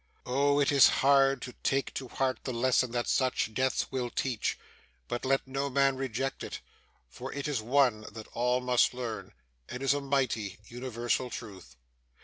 Oh! it is hard to take to heart the lesson that such deaths will teach, but let no man reject it, for it is one that all must learn, and is a mighty, universal Truth.